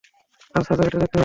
তার সার্জারিটা দেখতে হবে।